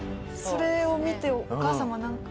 それを見てお母様何か。